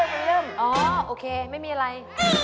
สมุดก็เรียกเป็นเล่มอ๋อโอเคไม่มีอะไร